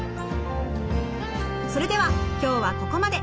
それでは今日はここまで。